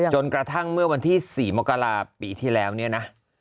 จนกระทั่งเมื่อวันที่๔มกราปีที่แล้วเนี่ยนะ